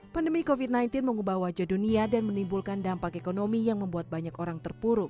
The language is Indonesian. pandemi covid sembilan belas mengubah wajah dunia dan menimbulkan dampak ekonomi yang membuat banyak orang terpuruk